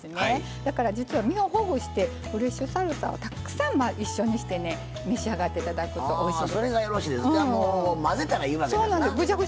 だから実は身をほぐしてフレッシュサルサをたくさん一緒にしてね召し上がっていただくとおいしい。